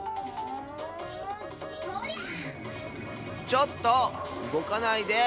ちょっとうごかないで！